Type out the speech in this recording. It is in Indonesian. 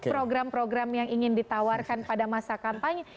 program program yang ingin ditawarkan pada masa kampanye